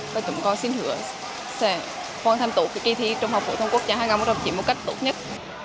và chúng con xin hứa sẽ còn tham tục kỳ thi trung học của thông quốc gia hai nghìn một mươi chín một cách tốt nhất